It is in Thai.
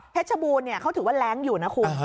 ชบูรณ์เขาถือว่าแรงอยู่นะคุณ